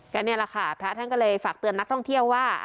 ก็นี่แหละค่ะพระท่านก็เลยฝากเตือนนักท่องเที่ยวว่า